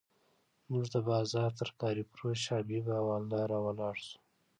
زموږ د بازار ترکاري فروش حبیب حوالدار راولاړ شو.